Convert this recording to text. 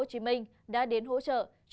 chung tay cùng tỉnh mật liêu chống dịch